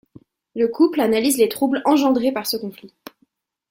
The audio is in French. Le couple analyse les troubles engendrés par ce conflit.